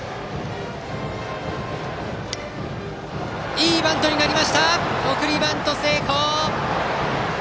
いいバントになって送りバント成功！